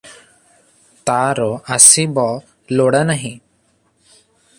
ତୋର ଆସିବ ଲୋଡ଼ା ନାହିଁ ।"